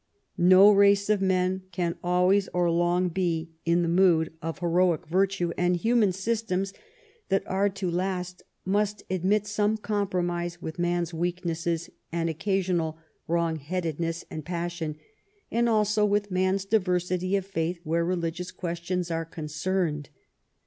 No race of men can always or long be in the mood of heroic virtue, and human systems that are to last must admit some compromise with man's weaknesses and occasional wrongheadedness and passion, and also with men's diversity of faith where religious questions are concerned.